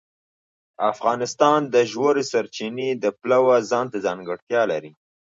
افغانستان د ژورې سرچینې د پلوه ځانته ځانګړتیا لري.